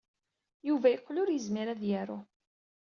Yuba yeqqel ur yezmir ad yaru.